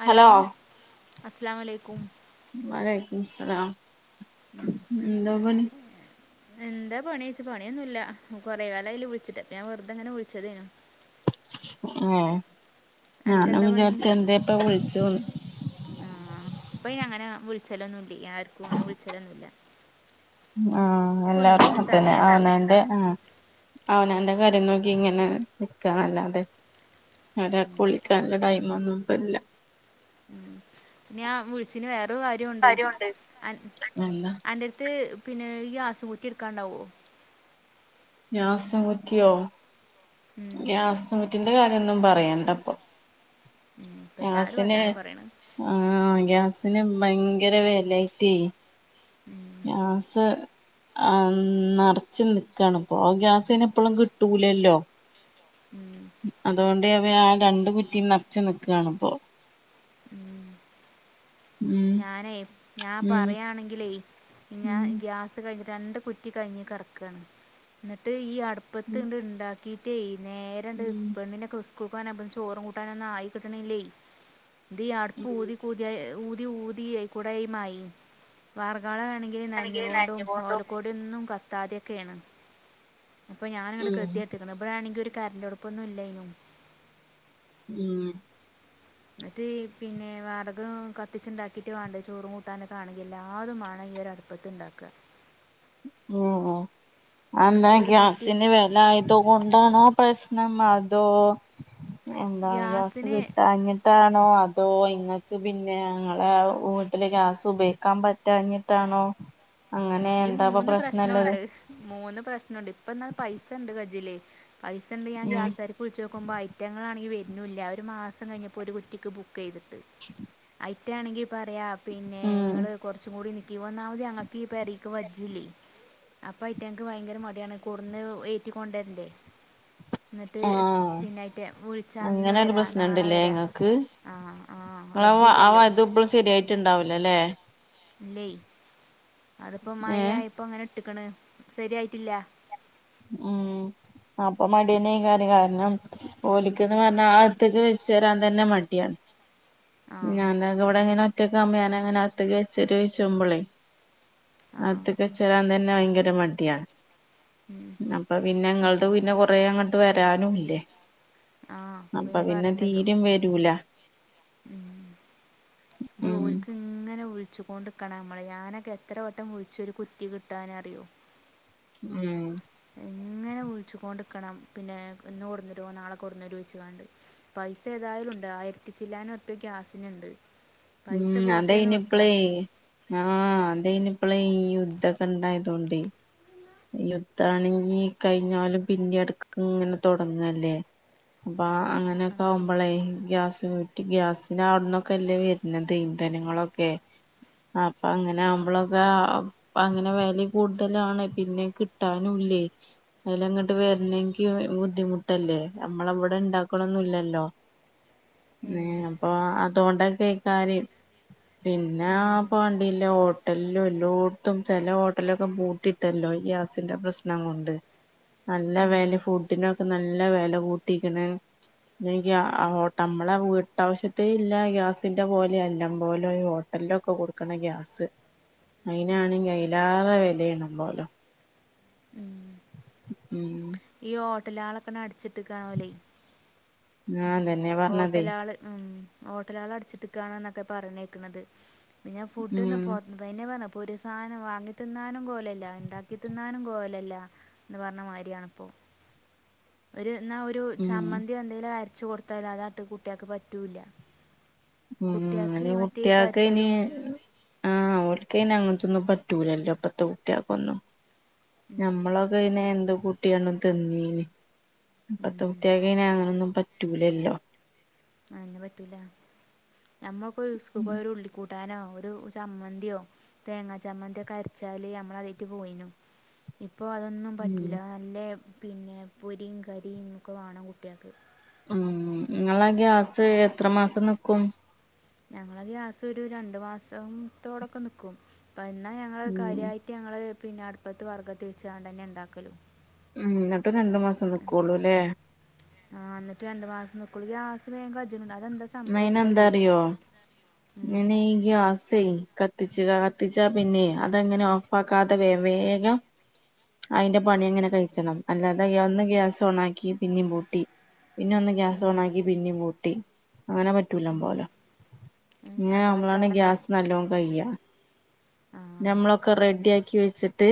Hello അസ്സലാമു അലൈക്കും വലയ്ക്കും സലാം എന്ത പണി എന്താ പണിച്ചു പണിയൊന്നുമില്ല കുറെ കാലം ആയില്ലേ വിളിച്ചിട്ട് അപ്പൊ ഞാൻ വെറുതെങ്ങനെ വിളിച്ചതേനു [unintelligible] ഏ ഞാനും എനിക്കെന്താ പണി വിചാരിച് എന്തപ്പ വിളിച്ചു അപ്പൊ ഇ അങ്ങനെ വിളിച്ചലൊന്നുമില്ല ആർക്കും അങ്ങനെ വിളിച്ചലൊന്നുമില്ല ആ ഇപ്പം എല്ലാർക്കും ഒന്നിനും അതന്നെ സമയം ആ ന ഉണ്ടാവില്ല എന്റെ ഉം അവനാന്റെ കാര്യം നോക്കി ഇങ്ങനെ നിക്കാ നല്ലാതെ ഉം, അവരെ കുളിക്കാള്ള ടൈ ഒന്നുംപ്പല്ല ഞാ വിളിച്ചിന് വേറൊ കാര്യമുണ്ട് കാര്യോണ്ട് അ എന്താ അൻ്റടുത്ത് പിന്നെ ഈ ആസു ഊറ്റി എടുക്കാണ്ടാവോ ഗ്യാസും കുറ്റിയോ ഉം, ഗ്യാസ് റ്റിന്റെ കാര്യൊന്നും പറയണ്ടപ്പൊ ഉം. ഇപ്പം എല്ലാവരും ഗ്യാസിന് അതന്നെ പറയണത് ആ ഗ്യാസ് അന് ഭയങ്കര വേലായിട്ടേ ആ സ് ആ നിറച്ച് നിക്കാണ് ഇപ്പോ ഗ്യാസിന് എപ്പോഴും കിട്ടൂലല്ലോ ഉം, അതുകൊണ്ട് അവ ആ രണ്ടു കുറ്റിയും നിറച്ച് നിക്കുകയാണ്പോ ഉം. ഞാനേ ഞാൻ ഉം പറയാണെങ്കിലേ ഞാൻ ഉം ഗ്യാസ് കഴിഞ്ഞി രണ്ട് കുറ്റി കഴിഞ്ഞി കെടക്കാണ് എന്നിട്ട് ഈ അടുപ്പത്ത് ഉം ഇണ്ട് ഉണ്ടാക്കിട്ടേ നേരണ്ട് ഉം പെണ്ണിനൊക്കെ സ്കൂൾ പോവാൻ ചോറും കൂട്ടാനൊന്നും ആയി കിട്ടണില്ലേ അടുപ്പ് ഉം ഊതിതി ഊതി ഊതിക്കൂടയുമായി വർ കാളാണെങ്കിൽ നനഞ്ഞുകൊണ്ടും ഓലക്കോടി ഒന്നും കത്താതെയൊക്കെയാണ് അപ്പൊ ഞാനിങ്ങട് ഉം ഗതി കെട്ട്ക്ക്ണ് ഇവിടൊണെങ്കി ഒരു കറൻ്റ് അടുപ്പൊന്നും ഇല്ലായിനും ഉം എന്നിട്ട് പിന്നെ വറക് കത്തിച്ചുണ്ടാക്കിട്ട് വേണ്ടേ ചോറും കൂട്ടാനൊക്കെ ആണെങ്കിൽ എല്ലാ അതുംമാണെ യര അടുപ്പത്ത് ഉണ്ടാക്കുക ഉം അന്താ അപ്പൊ ഒരു കുറ്റി ഗ്യാസിന് വില ആയത് കൊണ്ടാണോ പ ണം അതോ എന്താ ഗ്യാസ് ഗ്യാസിന് കിട്ടാഞ്ഞിട്ടാണോ അ ട്ടോ ഇങ്ങക്ക് പിന്നെ ഞങ്ങളെ വീട്ടില് ഗ്യാസ് ഉപയോഗിക്കാൻ പറ്റഞ്ഞിട്ടാണോ അങ്ങനെ ഈ എന്താപ്പ മൂന്ന് പ്രശ്നള്ളത് പ്രശ്നമുണ്ട് മൂന്ന് പ്രശ്നമുണ്ട് ഇപ്പ എന്നാൽ പൈസ ഉണ്ട് കജിലേ പൈസുണ്ട് ഞാ ഉം ഗ്യാസരിച്ച് നോക്ക് പോ ഐറ്റങ്ങള് ആണെങ്ക വ ഇന്നുമില്ല ഒരു മാസം കഴിഞ്ഞപ്പോൾ ഒരു കുട്ടിക്ക് ബുക്ക് ചെയ്തിട്ട് ഐറ്റണെങ്കിൽ പറയാം പിന്നെ ഉം ഞങ്ങൾ കുറച്ചും കൂടി നിൽക്കി ഒന്നാമത് ഞങ്ങൾക്കി പരി അജലി അപ്പ റ്റ എനിക്ക് ഭയങ്കര മടിയാണ് കൂടന്ന് ഏറ്റിക്കൊണ്ടരണ്ടേ എന്നിട്ട് ആഹ് പിന്നായിട്ട് വിളിച്ചാ അന്ന് വരാ നാളെ വരാ നിങ്ങള് അവ ആ ബാത്ത് ഇപ്പോളും ശരിയായിട്ട് ഉണ്ടാവില്ല അല്ലേ ഇല്ലേ അതിപ്പോ ഏ മായ ഇപ്പ അങ്ങനെ ഇട്ടക്ക്ണ് ശരിയായിട്ടില്ല ഉം അപ്പൊ മടിയന്നെ കാര്യം കാരണം പോലിക്ക്ന്ന് പറഞ്ഞാ അത്തേക്ക് വെച്ചു തരാൻ തന്നെ മടിയാണ് ആഹ് ഞാൻ അത് ഇവിടെങ്ങനെ ഒറ്റകാവുമ്പോ ഞാൻ അങ്ങനെ അത്തക്ക്ച്ച്രോ ചോച്ചുമ്പളേ ആഹ് നത്തക്കെ ചേരാൻ തന്നെ ഭയങ്കര മടിയാണ് ഉം അപ്പ അപ് പിന്നെങ്ങുടെ പിന്നെ കൊറേ അങ്ങോട്ട് വരാനുംല്ലേ ആഹ് അപ്പൊ പിന്നെ തീരും വരൂല ഉ ഇത് ഉം ക്ക് ഇങ്ങനെ ഒിച്ചുകൊണ്ടിിക്കണം നമ്മളെ ഞാനൊക്കെ എത്ര വട്ടം ഒഴിച്ചരു കുറ്റി കിട്ടാനറിയോ ഉം അങ്ങനെ [unintelligible] [unintelligible] [unintelligible] [unintelligible] പപ്പിച്ചില്ലൻൊത്ത് ഗ്യാസിനുണ്ട് പൈസ ഉം പോട്ടേന്ന് അതേനിപ്പള വെക്കാം ആഹ അതേ ഇനി ഇപ്പളെ ഈ യുദ്ധൊക്കെ ഇണ്ടായതോണ്ട് യുദ്ധാണെങ്കി കഴിഞ്ഞാലും പിന്നെ അടുക്ക ഇങ്ങനെ തുടങ്ങല്ലേ അപ്പ അങ്ങനെയൊക്കെ ആഹ് ആകുമ്പോളേ ഗ്യാസ് കൂറ്റി ഗ്യാസിന അവിടുന്നൊക്കെ അല്ലേ വര പിന്നത്തെ ഇന്ധനങ്ങളൊക്കെ അപ്പൊ അങ്ങനെ ആഹ് ആവുമ്പോളൊക്കെ അങ്ങനെ വല്യ കൂടുതലാണ് പിന്നെ കിട്ടാനും [unintelligible] അതിലങ്ങോട്ട് വരണെക്ക് ബുദ്ധിമുട്ടല്ലേ നമ്മള അവിടെ ഉണ്ടാക്കണൊന്നല്ലല്ലോ ഉം അപ്പൊ ആ തൊണ്ടൊക്കെ കാര്യം പിന്നെ ഉം പോണ്ടില്ല ഹോട്ടലും എല്ലോടത്തും ചെില ഹോട്ടലൊക്കെ പൂട്ടിട്ടല്ലോ ഗ്യാസിന്റെ പ്രശ്ന കൊണ്ട് നല്ല വ ഉം ഫുഡിനെ നല്ല വില കൂട്ടിക്കണ് പി്യ നമ്മളെ വീട്ടാവശ്യത്തേ ഇല്ല ഗ്യാസ് ത്തിന്റെ പോലെ എല്ലാം പോലെ ഈ ഹോട്ടലിലൊക്കെ കൊടുക്കണ ഗ്യാസ് അയിനാണെങ്കി അലാറെ വിലയണം പോോലോ ഉം ഉം ഈ ഹോട്ടലാളപ്പന അടിച്ചിട്ട് കാണോലേ ഞാൻ അതന്നെ പറഞ്ഞതേ ഹോട്ടല ആള് ഉം ഹോട്ടല ആൾ അടിച്ചിട്ടക്കണോ എന്നൊക്കെ പറഞ്ഞേക്കണുന്നത് പിന്നെ ഉം ഫുഡ്ന്ന പോെ പറഞ്ഞ അപ്പൊ ഒരു സാധനം വാങ്ങി തിന്നാനും കോലല്ല ഉണ്ടാക്കി തിന്നാനും കോലല്ല എന്ന് പറഞ്ഞ മാതിരിയാണിപ്പോൊ ഒരു എന്നാ ഒരു ഉം ചമ്മന്തി എന്തെേലും ക ച കൊടുത്താൽ അത് അട്ടുകുട്ടിയക്ക് പറ്റൂല്ല ഉ അ കുട്ടികൾക്ക് മറ്റേ കുട്ടിയക്കെ ഇനി കരിച്ചതും ആഹ യിന അങ്ങനത്തൊന്നും പറ്റൂലല്ലോ അപ്പത്തെ കുട്ടികൊക്കെ ഒന്നും ഉം ഇനെ എന്തോ കൂട്ടിയാണ് തന്നീന് അപ്പത്തെ ഉം കുട്ടിയക്ക് ഇനെ അങ്ങനൊന്നും പറ്റൂലല്ലോ പറ്റൂല എമുക്ക് യുസ്റ ഒരു ലക്ുഡ് കൂട്ടാനോ ഒരു ചമ്മന്തിയോ തേങ്ങാ ചമ്മന്തി ഒക്കെ അരച്ചാല് നമ്മള അതട്ട് പോയിനു ഉ അപ്പോൾ അതൊന്നും ഉം പറ്റില്ല നല്ല പിന്നെ പൊരിയും കരിൊക്കെ വേണം കുട്ടികൾക്ക് ഉം നിങ്ങളാ ഗ്യാസ് എത്ര മാസം നക്കും ഞങ്ങള ഗ്യാസം ഒരു രണ്ടു മാസത്തോടൊക്കെ നക്കും അപ്പ എന്നാ ഞങ്ങള് ഉം കാര്യമായിട്ട് ഞങ്ങള് പിന്നെ അടുപ്പത്ത് വർഗ്ഗം തിരിച്ചണ്ട് തന്നെ ഉണ്ടാക്കല്ലോ ഉ എന്നിട്ട് രണ്ടു മാസം നക്കു അല്ലേ നളയാ ആസമേ ജമീന നൈനന്തറിയോ ഉം, ഇനെക കത്തിച്ചുക കത്തിച്ചാ പിന്നെ അതെങ്ങനെ ഓഫ് ആാക്കാതെ വേഗം അതിന്റെ പണി അങ്ങനെ കഴിക്കണം അല്ലാതെ ഒന്ന് ഗ്യാസ് ഓണ ആാക്കി പിന്നെയും പൂട്ടി പിന്നെ ഒന്ന് ഗ്യാസ് ഓൺ ഉം, ആക്കി പിന്നി മൂട്ടി അങ്ങനെ പറ്റൂല ഉം, പോലെ ഉം, ഇങ്ങനെ അതായി നമ്മളാണ് കാരണം ഗ്യാസ് നല്ലോണം കഴാ ആ ഞമ്മളൊക്കെ റെഡി ആക്കി വെച്ചിട്ട്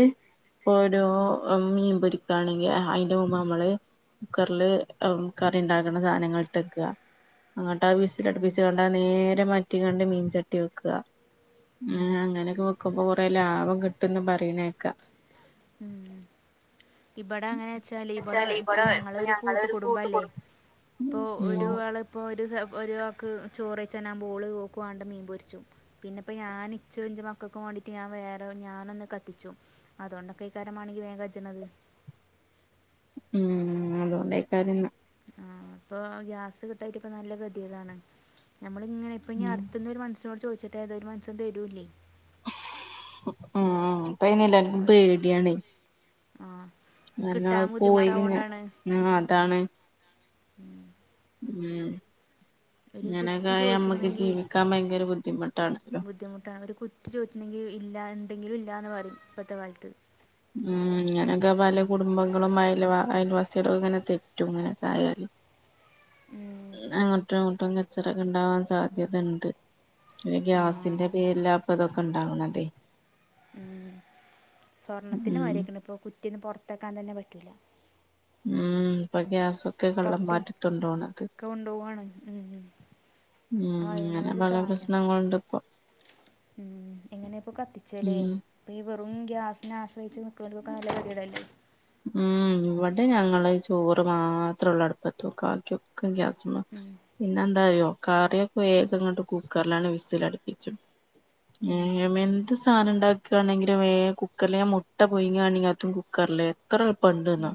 ഓരോ ഉം, മീൻ പൊരി ഇപ്പാണെങ്കിൽ അയിന്റെ മുമ്പ് നമ്മള് കുക്കറില് കറി ഉണ്ടാക്കണ സാധനങ്ങൾ ഇട്ടെക്കുക. അങ്ങോട്ട് ആ ബീസിൽ ഉം, അടുപ്പിച്ച കണ്ട നേരെ മാറ്റി കണ്ട് മീൻ ചട്ടി വെക്കാ. ഉ ഉം. അങ്ങനെയൊക്കെ വെക്കുമ്പൊ കൊറെ ലാഭം കിട്ടുംന്ന് പറയണേക്കാ. ഉം ഇവിടെ അങ്ങനെ വെച്ചാല് ഇവിടെ ഇപ്പൊ ഞങ്ങള ഒരു കൂട്ട കുടുംബല്ലേ? ഇപ്പൊ ഒരു ഉം ആള ഇപ്പോ ഒരു ഒരാൾക്ക് ചോറ് ചന്നാൻ ബോള് പോ വണ്ട മീൻ പൊരിച്ചും പിന്നെ ഇപ്പൾ ഞാൻ ഇച്ച ഇഞ്ചമാ ക്ക വേണ്ടട്ട് ഞൻ വേറെ ഞാന ഒന്നു കത്തിച്ചൊ അതൊ ണ്ട് കൈകാരമാണങ്ക വേഗജജനത് ഉം അതുകൊണ്ട് കാര്യം ഉഹ പ്പൊ ഗ്യാസ് കിട്ടായിട്ട് ഇപ്പ നല്ല കതിതാണ് നമ്മളിങ്ങനെ ഇപ്പ ഇനി ഉം അട്ത്തുന്ന ഒരു മനസിനോട് ചോദിച്ചട്ട ഏതോ ഒരു മൻസൻ തരൂല്ലേ ഉം അപ്പ അയിനെ എല്ലാവർക്കും ഒ- പേടിയാണ് ആ എന്നാത് കിട്ടാൻ പോയി ബുദ്ധിമുട്ടാവുകൊണ്ടാണ് ആഹ് അതാണ് ഉം ഉം കുറ്റി അങ്ങനൊക്കായി അമ്മക്ക് ചോദിച്ചിട്ടുണ്ടെങ്കിൽ ജീവിക്കാൻ ഭയങ്കര ബുദ്ധിമുട്ടാണല്ലോ ബുദ്ധിമുട്ടാണ് ഒരു കുറ്റി ചോദറ്റണണ്ടെങ്കിൽ ഇല്ല ഉണ്ടെങ്കിലും ഇല്ലാന്ന് പറയും ഇപ്പോഴത്തെ കാലത്ത് ഉം ഇങ്ങനൊക്കെ പല കുടുംബങ്ങളും അയ അയൽവാസികളും ഇങ്ങനെ തെറ്റും ഇങ്ങനെക്കെ ആയാൽ ഉം അങ്ങോട്ടും അങ്ങോട്ടും കച്ചടക്ക ഉണ്ടാവാൻ സാധ്യത ഉണ്ട് ആ ഗ്യാസിന്റെ പേരില്ലാ അപ്പ ഇതൊക്കെ ഉണ്ടാവണം അതെ ഉം സ്വർണത്തിന് ഉം വരക്കണ ഇപ്പൊ കുറ്റിന്ന് പുറത്തക്കാൻ തന്നെ പറ്റൂല ഉം പക്കയാസ തൊക്കെ കള്ളം കട്ടും മാറ്റത്തുണ്ടോണത് ഒക്കെ കൊണ്ടുപോവാണ് ഉം ഉം അങ്ങനെ അങ്ങനൊരു പല കാലം പ്രശ്നങ്ങളുണ്ട് ഇപ്പൊ ഉം എങ്ങനെപ്പൊ ഉം കത്തിച്ചല്ലേപ്പഈ വെറും ഗ്യാസിനെ ആശ്രയി [unintelligible] ക്കല്ലടല്ലേ ഉം ഇവിടെ ഞങ്ങള് ചോറ് മാത്രേ ഉള്ള അടുപ്പത്തോ കാക്കിയൊക്കെ ഉം പിന്നെ എന്താ അറോ കറിയൊക്കെ വേഗംങ്ങ് കുക്കറിലാണ് വിസൽടിപ്പിച്ചു ഉം എന്ത് സാധനം ഇണ്ടാ ണെങ്കിലും ഏഹ് കുക്കറൽ മുട്ട പൊയിങ്ങാണെങ്ക അത്തും കുക്കറില് എത്ര എളുപ്പംണ്ട്ന്ന് ഉം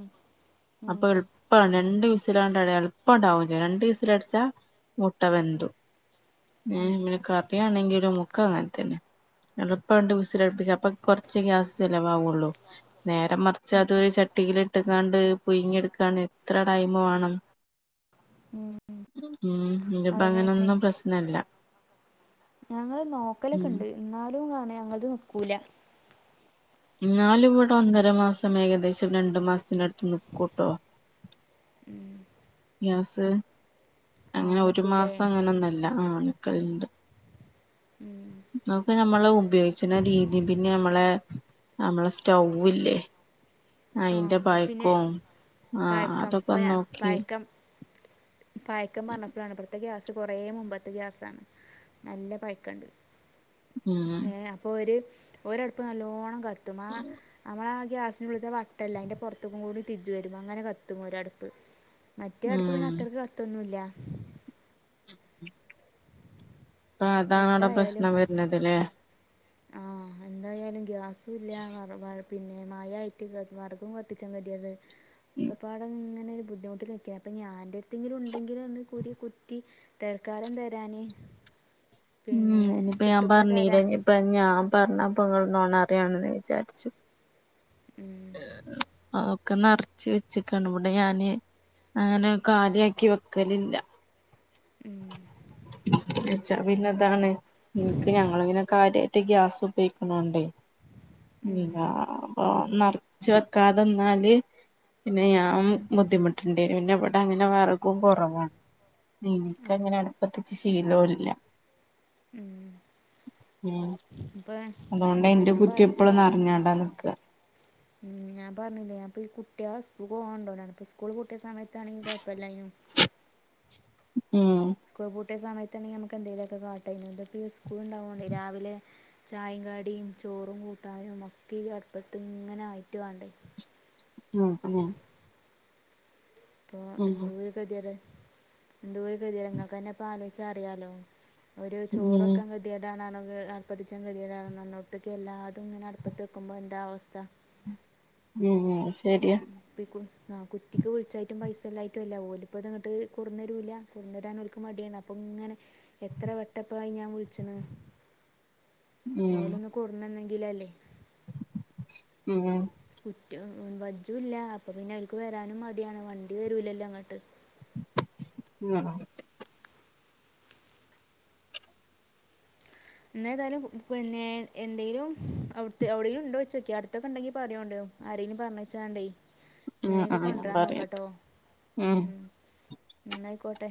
അപ്പൊ ഉം എളുപ്പ രണ്ട വിസിലാണ്ട എളുപ്പം ഉണ്ടാവും രണ്ടു വിസില അടച്ചാ മുട്ട വെന്തു ഏഹ് പിനെക്ക്റിയണെങ്കിൽ ഒരു മുക്ക അങ്ങനെ തന്നെ എളുപ്പണ്ട് ഉസിലടുപ്പിച്ച അപ്പൊ കുറച്ച് ഗ്യാസ് ചിലവാകുള്ളു നേരംറ [unintelligible] അത്രു ചട്ടിൽിട്ടങ്ങാണ്ട് പൊങ്ങെടുക്കാണ് എത്ര ടൈം വേണം ഉം ഉം ഇപ്പ അങ്ങനൊന്നും പ്രശ്നല്ല ഞങ്ങള്ൾ നോക്കലൊക്കെ ഉം ഇണ്ട് എന്നാലും കാണ ഞങ്ങളത് നക്കൂല എന്നാല ഇവിടെ ഒന്നര മാസം ഏകദേശം രണ്ടു മാസത്തിന അടുത്ത് നിക്കൂട്ടോ ഗ്യാസ് ആ അങ്ങനെ ഒരു നിൽക്കൂലേ മാസം അങ്ങനൊ ഒന്നല്ല ആഹ് അണക്കലണ്ട് ഉം അതൊക്കെ നമ്മള് ഉപയോഗിച്ചുന്ന രീതി പിന്നെ നമ്മളെ നമ്മളെ സ്റ്റൗല്ലേ ആ ആയിന്റെ അത് പിന്നെ ഭയക്കോ ആഹ് അതൊക്കെന്ന് നോക്കി പായക്കം പറഞ്ഞപ്പോഴാണ് ഇപ്പറത്തെ ഗ്യാസ് കുറ മുമ്പത്തെ ഗ്യാസാണ് നല്ല പൈക്കണ്ട് ഉം ഏഹ് അപ്പൊ ഒരു ഒരടുപ്പ് നല്ലോണം കത്തും ആഹ് നമ്മള ഗ്യാസിനുള്ളിലത്തെ വട്ടം ല്ലേ അയിന്റെ പുറത്ത്ക്കും കൂടി തിജ് വരും അങ്ങനെ കത്തും ഒരടുപ്പ്. മറ്റേ അടുപ്പ് ഉം പിന്നെ അത്രയ്ക്ക് കത്തോന്നുല്ല. [inaudible] അപ്പോ അതാണ് പ്രശ്നം വര്ണത് ലേ. ആഹ് എന്തായാലും ഗ്യാസും ഇല്ല്യ. വെറ വെ പിന്നെ മയ ആയിട്ട് വെ വെറകും കത്തിച്ചാൻ ഗതികേട്. ഒക്കപാടെ ഇ ങ്ങനെ ഒരു ബുദ്ധിമുട്ട് നിക്ക. അപ്പോ ഇനി ആരുടെടുത്തെങ്കിലും ഇണ്ടെങ്കില് ഒന്ന് ഒരു കുറ്റി തൽക്കാലം തരാന് ഉം ഇനിപ്പ ഞാൻ പറഞ്ഞീലെ തരാം ഇനിപ്പ ഞാൻ പറഞ്ഞ ഇപ്പങ്ങള് നൊണറയാണ്ന്ന് വിചാരിച്ചും. ഉം ഒക്കെ നറച്ച് വെച്ച്ക്കാണ്. ഇവിടെ ഞാന് അങ്ങനെ കാലിയാക്കി വെക്കലില്ല. ഉം ച്ച പിന്നതാണ് ഞങ്ങക്ക് ഞങ്ങളങ്ങനെ കാര്യായിട്ട് ഗ്യാസ് ഉപയോഗിക്ക്ന്നോണ്ടേ ഇല്ല അപ്പൊ നറച്ച് വെക്കാതന്നാല് പിന്നെ ഞാൻ ബുദ്ധിമുട്ടണ്ടി വരും പിന്നെ ഇവടെ അങ്ങനെ വെറകും കൊറവാണ്. പിന്നെ ഇനി ക്കങ്ങനെ അടുപ്പത്ത് ച്ച് ശീലോല്ല. ഉം അപ്പോൾ അതോണ്ട് ഞാൻ എന്റെ ഞാൻ കുറ്റി പറഞ്ഞു എപ്പളും നറഞ്ഞോണ്ട നിക്ക. ഉം ഞാൻ പറഞ്ഞില്ലേ ഞാനിപ്പ ഈ കുട്ടിയളെ സ്കൂൾക്ക് പോകാൻ കൊണ്ടോവലാണ്. ഇപ്പ സ്കൂൾ പൂട്ടിയ സമയത്താണെങ്കി കൊഴപ്പല്ലയ്നു. [unintelligible] ഉം സ്കൂൾ പൂട്ടിയ സമയത്താണെങ്കി നമുക്ക് എന്തേലൊക്കെ കാട്ടെയ്നു. ഇതിപ്പ ഈ സ്കൂൾ ഇണ്ടാവോണ്ടെ രാവിലെ ചായേം കടിം ചോറും കൂട്ടാനും ഒക്കെ ഈ അടുപ്പത്ത് ഇങ്ങനെ ആയിട്ട് വാണ്ടേ. ആ അങ്ങനെ ഇപ്പോ എന്തോരു ഗതികേട. എന്തോരു ഗതികേട ഇങ്ങക്കെന്നെ ഇപ്പോ ആലോയിച്ച അറിയാലോ ഒരു ഉം ചോറ് വെക്കാൻ ഗതികേടാണ്ന്ന് ഏ അടുപ്പത്തച്ചാൻ ഗതികേട അന്നോ അന്നോടത്ത്ക്ക് എല്ലാതും ഇങ്ങനെ അടുപ്പത്ത് വെക്കുമ്പോ എന്താ അവസ്ഥ. ഉം ഉം ശരിയാ പിക്കും ആ കുറ്റിക്ക് വിളിച്ചായിട്ടും പൈസ ല്ലായിട്ടും അല്ല ഓല് ഇപ്പ ഇതങ്ങട്ട് കുണ്ടന്നരൂല. കുണ്ടോരാൻ ഓല്ക്ക് മടിയാണ്. അപ്പം ഇങ്ങനെ എത്ര വട്ടപ്പായി ഞാൻ വിളിച്ച്ണ്. ഉം ഓലൊന്ന് കൊണ്ടോന്നെന്ന ങ്കിലല്ലേ. ഉം റ്റു വജും ഇല്ല. അപ്പൊ പിന്നെ ഓല്ക്ക് വരാനും മടിയാണ്. വണ്ടി വരൂലല്ലോ ഇങ്ങട്ട്. ആഹ് ഇന്നെതായാലും പിന്നെ എന്തെലും അവിട്ത്തെ എവിടെലും ഇണ്ടോയിച്ചോക്കി അടുത്തൊക്കെണ്ടെങ്കി പറയോണ്ടിയു ആരേലും പറഞ്ഞേച്ചാണ്ടേ. ഇങ്ങനെയൊക്കെ ആഹ് ഞാൻ കൊണ്ടരാൻ നോക്ക പറയണ്ട് ട്ടോ. ഉം ഇന്നാ ആയിക്കോട്ടെ.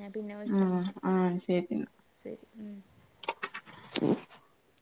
ഞാൻ പിന്നെ വിളിച്ച. ഉം ആഹ് ശരി ശരി ഉം [unintelligible]